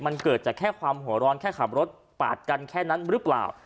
มันเกิดจากแค่ความหัวร้อนแค่ขับรถปาดกันแค่นั้นหรือเปล่า